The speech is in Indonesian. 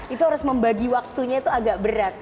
itu harus membagi waktunya itu agak berat